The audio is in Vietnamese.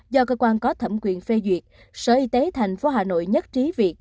do cơ quan có thẩm quyền phê duyệt sở y tế thành phố hà nội nhất trí việc